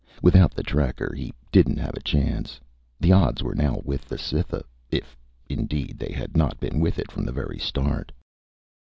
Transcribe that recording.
Without the tracker, he didn't have a chance. The odds were now with the Cytha if, indeed, they had not been with it from the very start.